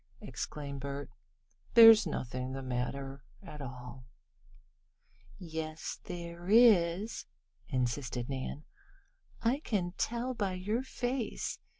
exclaimed Bert "There's nothing the matter at all." "Yes there is," insisted Nan. "I can tell by your face.